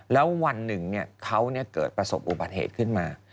แล้ววันหนึ่งเขาเกิดประสบอุบัติเหตุขึ้นมา